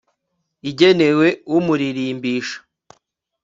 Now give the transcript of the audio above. igenewe umuririmbisha